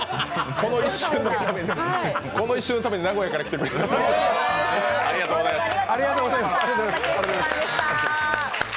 この一瞬のために名古屋から来てくれました。